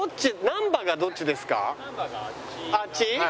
難波がどっちですか？